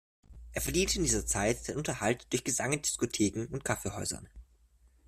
Er verdiente in dieser Zeit seinen Unterhalt durch Gesang in Diskotheken und Kaffeehäusern.